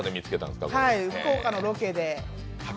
福岡のロケで。